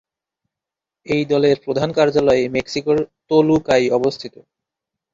এই দলের প্রধান কার্যালয় মেক্সিকোর তোলুকায় অবস্থিত।